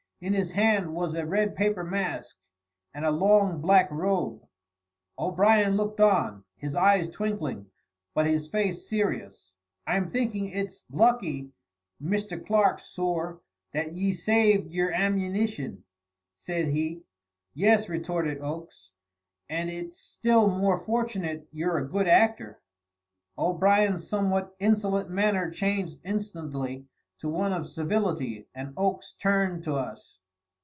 In his hand was a red paper mask and a long black robe! O'Brien looked on, his eyes twinkling, but his face serious. "I'm thinking it's lucky, Mr. Clark, sorr, that ye saved yer ammunition," said he. "Yes," retorted Oakes, "and it's still more fortunate you're a good actor." O'Brien's somewhat insolent manner changed instantly to one of civility, and Oakes turned to us.